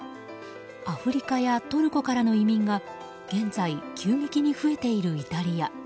アフリカやトルコからの移民が現在、急激に増えているイタリア。